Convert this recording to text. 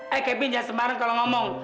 eh kevin jangan sembarang kalau ngomong